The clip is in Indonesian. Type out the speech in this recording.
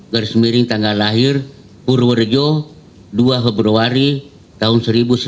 garis miring tanggal lahir purworejo dua februari tahun seribu sembilan ratus sembilan puluh